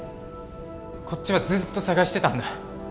こっちはずっと捜してたんだ。